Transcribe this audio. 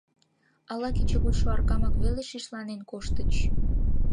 Ала кечыгутшо аракамак веле шишланен коштыч?